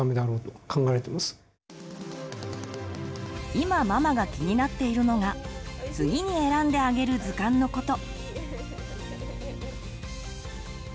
今ママが気になっているのが次に選んであげる図鑑のこと。